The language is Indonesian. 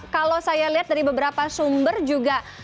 kalau saya lihat dari beberapa sumber juga